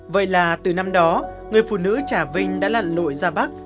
vậy là từ năm đó người phụ nữ trà vinh đã lặn lội ra bắc